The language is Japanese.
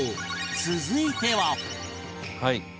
続いては